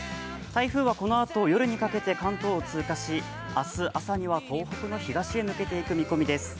台風はこのあと、夜にかけて関東を通過し明日朝には東北の東へ抜けていく見込みです。